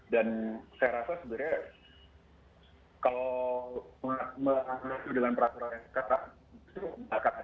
dan saya rasa sebenarnya kalau melalui peraturan yang terkata